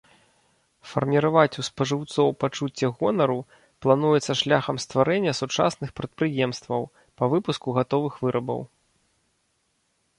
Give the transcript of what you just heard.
Фарміраваць у спажыўцоў пачуццё гонару плануецца шляхам стварэння сучасных прадпрыемстваў па выпуску гатовых вырабаў.